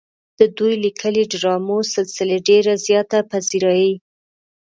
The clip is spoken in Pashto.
د دوي ليکلې ډرامو سلسلې ډېره زياته پذيرائي